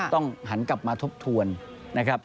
ต้องหันกลับมาทบทวนนะครับ